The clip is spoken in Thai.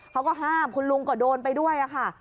เขาก็ห้ามคุณลุงก็โดนไปด้วยค่ะ